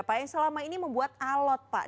pak yang selama ini membuat alot pak